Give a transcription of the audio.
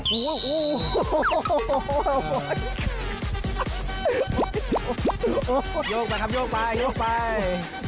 โยกไปครับโยกไปโยกไป